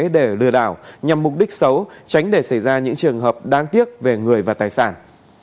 để lừa đảo nhằm mục đích xấu tránh để xảy ra những trường hợp đáng tiếc về người và tài sản